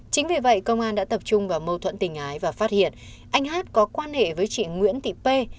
chính vì vậy công an đã tập trung vào mâu thuẫn tình ái và phát hiện anh hát có quan hệ với chị nguyễn thị pê